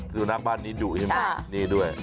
สุนัขบ้านนี้ดุใช่มั้ย